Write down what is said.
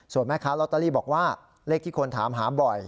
ส่วนแม่ค้าลอตเตอรี่บอกว่าเลขที่คนถามหาบ่อย